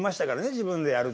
自分でやるって。